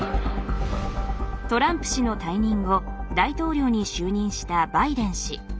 トランプ氏の退任後大統領に就任したバイデン氏。